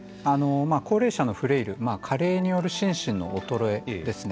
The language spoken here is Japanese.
高齢者のフレイル加齢による心身の衰えですね。